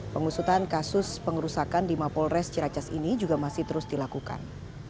pengusutan kasus pengerusakan di mapolres ciracas ini juga masih terus dilakukan